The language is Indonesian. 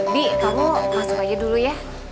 bi kamu masuk aja dulu ya